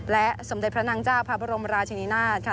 และสมเด็จพระนางเจ้าพระบรมราชินินาศค่ะ